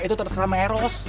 itu terserah mak elos